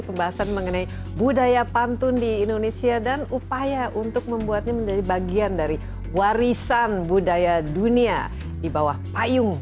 pembahasan mengenai budaya pantun di indonesia dan upaya untuk membuatnya menjadi bagian dari warisan budaya dunia di bawah payung